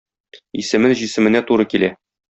Исеме җисеменә туры килә